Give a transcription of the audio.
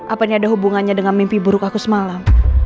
apanya ada hubungannya dengan mimpi buruk aku semalam